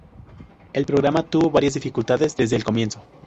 El programa tuvo varias dificultades desde el comienzo.